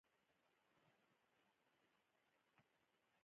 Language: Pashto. خلکو د ژوند سطح لوړه ټاکلې وه.